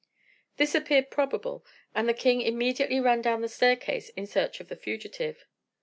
This appeared probable, and the king immediately ran down the staircase in search of the fugitive.